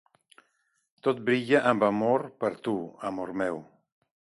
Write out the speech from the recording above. Tot brilla amb amor per tu, amor meu.